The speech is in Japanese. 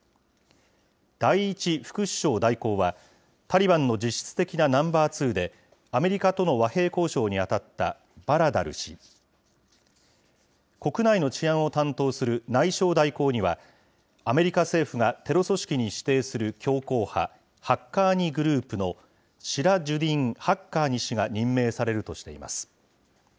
第１副首相代行は、タリバンの実質的なナンバーツーで、アメリカとの和平交渉に当たったバラダル師、国内の治安を担当する内相代行には、アメリカ政府がテロ組織に指定する強硬派ハッカーニ・グループのシラジュディン・ハッカーニ氏が任命されるとしています。